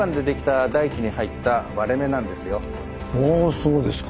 そうですか。